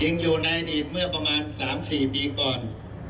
อยู่ในอดีตเมื่อประมาณ๓๔ปีก่อน